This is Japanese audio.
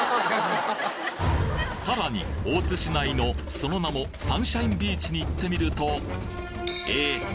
さらに大津市内のその名もサンシャインビーチに行ってみるとえ！？